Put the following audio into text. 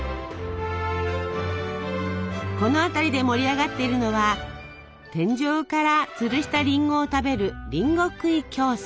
この辺りで盛り上がっているのは天井からつるしたリンゴを食べるリンゴ食い競争。